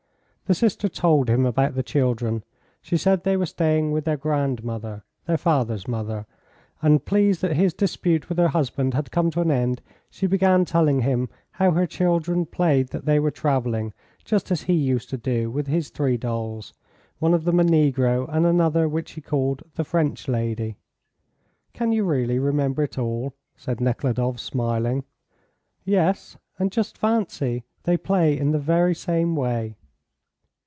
The sister told him about the children. She said they were staying with their grandmother (their father's mother), and, pleased that his dispute with her husband had come to an end, she began telling him how her children played that they were travelling, just as he used to do with his three dolls, one of them a negro and another which he called the French lady. "Can you really remember it all?" said Nekhludoff, smiling. "Yes, and just fancy, they play in the very same way."